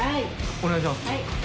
お願いします。